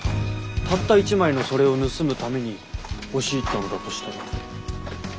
たった一枚のそれを盗むために押し入ったんだとしたら。